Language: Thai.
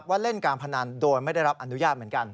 เล่นการพนันโดยไม่ได้รับอนุญาตเหมือนกัน